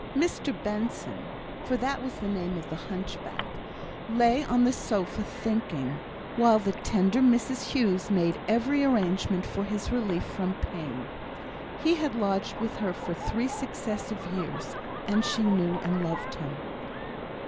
Mr Benson, for that was the name of the hunchback, lay on the sofa, thinking; while the tender Mrs Hughes made every arrangement for his relief from pain. He had lodged with her for three successive years, and she knew and loved him.